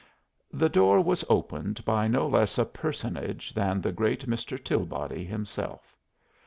The door was opened by no less a personage than the great Mr. Tilbody himself.